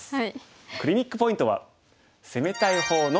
クリニックポイントは。